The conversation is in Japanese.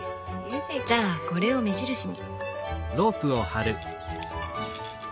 じゃあこれを目印に。